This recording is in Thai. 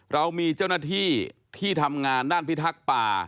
เรามีเจ้าหน้าที่ที่ทำงานด้านพิทักษ์ป่า